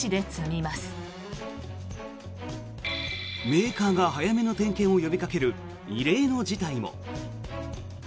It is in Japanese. メーカーが早めの点検を呼びかける異例の事態も。